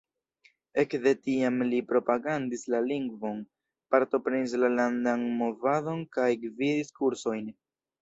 Ekde tiam li propagandis la lingvon, partoprenis la landan movadon kaj gvidis kursojn.